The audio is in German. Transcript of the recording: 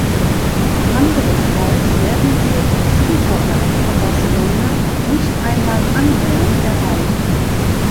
Anderenfalls werden wir die Zielvorgaben von Barcelona nicht einmal annähernd erreichen.